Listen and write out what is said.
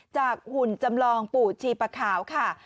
หุ่นจำลองปู่ชีปะขาวค่ะ